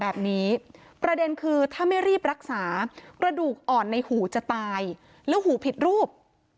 ประเด็นคือถ้าไม่รีบรักษากระดูกอ่อนในหูจะตายแล้วหูผิดรูป